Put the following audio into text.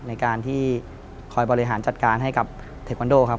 ในการที่คอยบริหารจัดการให้กับเทควันโดครับ